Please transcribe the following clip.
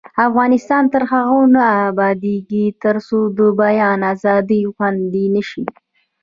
افغانستان تر هغو نه ابادیږي، ترڅو د بیان ازادي خوندي نشي.